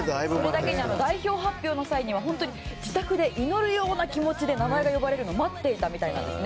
代表発表の際は自宅で祈るような気持ちで名前が呼ばれるのを待っていたみたいなんです。